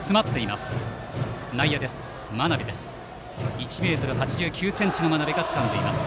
１ｍ８９ｃｍの真鍋がつかみました。